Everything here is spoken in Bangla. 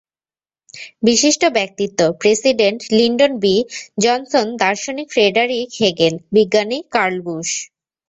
বিশিষ্ট ব্যক্তিত্ব—প্রেসিডেন্ট লিন্ডন বি, জনসন, দার্শনিক ফ্রেডারিক হেগেল, বিজ্ঞানী কার্ল বুশ।